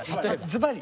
ずばり？